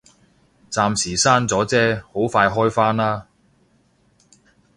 暫時閂咗啫，好快開返啦